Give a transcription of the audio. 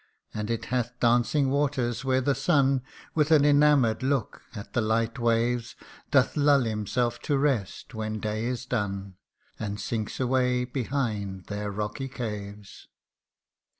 And it hath dancing waters, where the sun, With an enamour'd look at the light waves, Doth lull himself to rest when day is done, And sinks away behind their rocky caves.